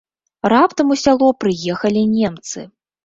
Раптам у сяло прыехалі немцы.